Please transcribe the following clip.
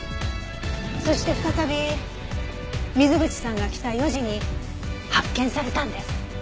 そして再び水口さんが来た４時に発見されたんです。